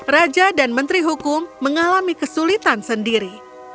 raja dan menteri hukum mengalami kesulitan sendiri